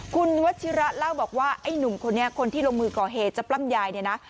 คุณวัชิระเล่าบอกว่าไอ้หนุ่มคนนี้คนที่ลงมือก่อเหตุจะปล้ำยายเนี่ยนะ